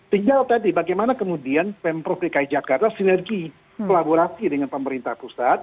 tinggal tadi bagaimana kemudian pemprov dki jakarta sinergi kolaborasi dengan pemerintah pusat